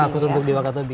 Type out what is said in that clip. khusus untuk di wakatobi